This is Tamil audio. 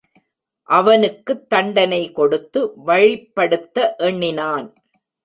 அவனுக்குத் தண்டனை கொடுத்து வழிப்படுத்த எண்ணினான்.